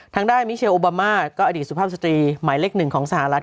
ได้มิเชลโอบามาก็อดีตสุภาพสตรีหมายเล็กหนึ่งของสหรัฐ